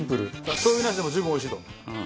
しょう油なしでも十分おいしいと。